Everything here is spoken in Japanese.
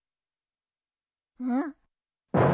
うん！？